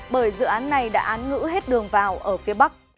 bởi dự án này đã án ngữ hết đường vào ở phía bắc